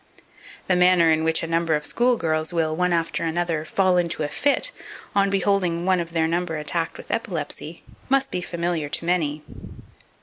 The manner in which a number of school girls will, one after another, fall into a fit on beholding one of their number attacked with epilepsy, must be familiar to many.